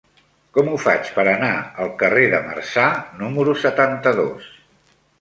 Com ho faig per anar al carrer de Marçà número setanta-dos?